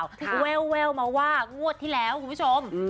แววมาว่างวดที่แล้วคุณผู้ชม